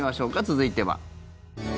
続いては。